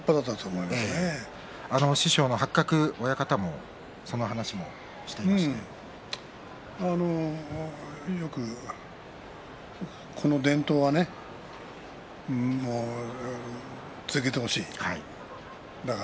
八角親方もよく、その伝統は続けてほしい。